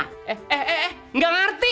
eh eh eh enggak ngerti